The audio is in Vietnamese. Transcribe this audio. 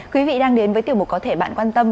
quý vị đang đến với tiểu mục có thể bạn quan tâm